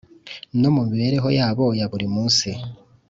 no mumibereho yabo ya buri munsi